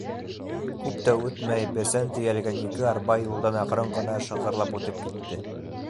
Күп тә үтмәй, бесән тейәлгән ике арба юлдан аҡрын ғына шығырлап үтеп китте.